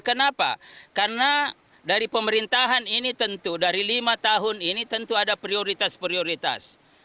kenapa karena dari pemerintahan ini tentu dari lima tahun ini tentu ada prioritas prioritas